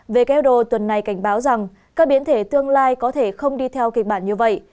who tuần này cảnh báo rằng các biến thể tương lai có thể không đi theo kịch bản như vậy